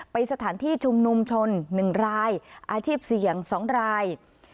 ไปสถานที่ชุมนุมชน๑รายอาชีพเสี่ยง๒ราย